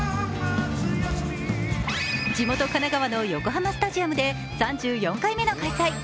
地元・神奈川の横浜スタジアムで３４回目の開催。